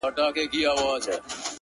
ما په اول ځل هم چنداني گټه ونه کړه!